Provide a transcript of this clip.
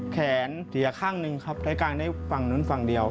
เสียข้างหนึ่งครับใช้กลางได้ฝั่งนู้นฝั่งเดียว